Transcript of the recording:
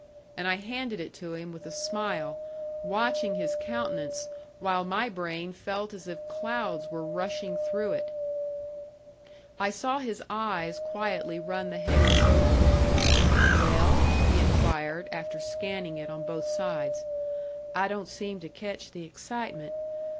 And I handed it to him with a smile, watching his countenance, while my brain felt as if clouds were rushing through it. I saw his eyes quietly run the headings over. "Well?" he inquired, after scanning it on both sides. "I don't seem to catch the excitement.